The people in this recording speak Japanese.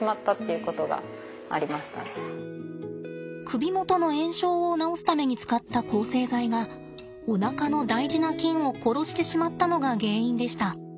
首もとの炎症を治すために使った抗生剤がおなかの大事な菌を殺してしまったのが原因でした。